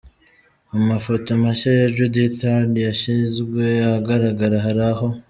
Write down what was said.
Mu mafoto mashya ya Judith Heard yashyizwe ahagaraga, hari aho .